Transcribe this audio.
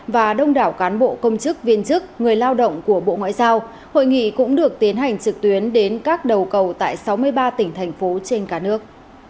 và đông đảo cán bộ công chức viên chức người lao động của bộ ngoại giao hội nghị cũng được tiến hành trực tuyến đến các đầu cầu tại sáu mươi ba tỉnh thành phố trên cả nước